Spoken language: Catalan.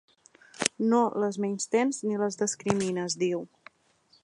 No les menystens ni les discrimines, diu.